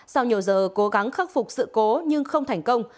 sau nhiều giờ cố gắng khắc phục sự cố nhưng không thành công